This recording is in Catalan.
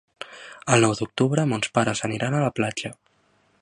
El nou d'octubre mons pares aniran a la platja.